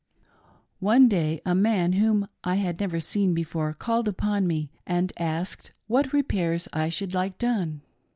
245 One day a man whom I had never seen before, called, upon me and asked what repairs I should like done.